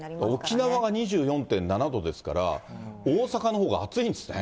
沖縄が２４．７度ですから、大阪のほうが暑いんですね。